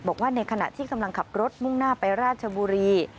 บอกว่าในขณะที่กำลังขับรถมุ่งหน้าไปราชบุรี